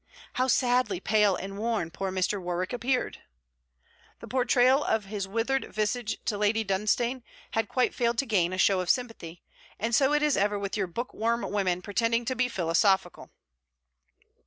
How sadly pale and worn poor Mr. Warwick appeared? The portrayal of his withered visage to Lady Dunstane had quite failed to gain a show of sympathy. And so it is ever with your book worm women pretending to be philosophical!